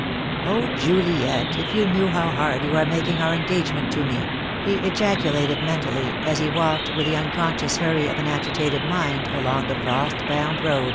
"Oh, Juliet, if you knew how hard you are making our engagement to me," he ejaculated mentally, as he walked, with the unconscious hurry of an agitated mind, along the frost bound road.